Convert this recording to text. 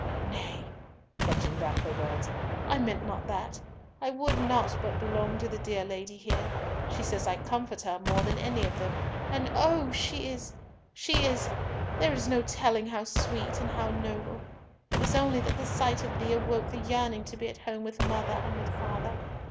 —Nay," catching back her words, "I meant not that! I would not but belong to the dear Lady here. She says I comfort her more than any of them, and oh! she is—she is, there is no telling how sweet and how noble. It was only that the sight of thee awoke the yearning to be at home with mother and with father.